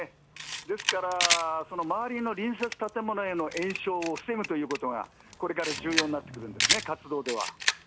ですから、その周りの隣接建物への延焼を防ぐということが、これから重要になってくるんですね、活動では。